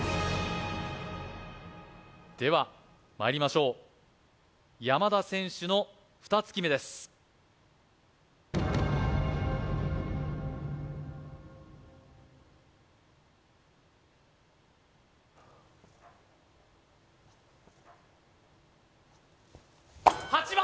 ではまいりましょう山田選手の２突き目です８番！